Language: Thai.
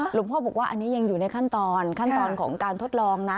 หลวงพ่อบอกว่าอันนี้ยังอยู่ในขั้นตอนขั้นตอนของการทดลองนะ